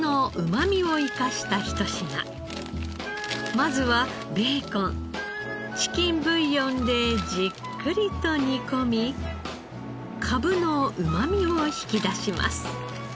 まずはベーコンチキンブイヨンでじっくりと煮込みかぶのうまみを引き出します。